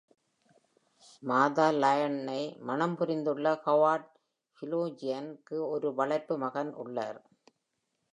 Martha Lynn-ஐ மணம் புரிந்துள்ள Howard Kaloogian-க்கு ஒரு வளர்ப்பு மகன் உள்ளார்.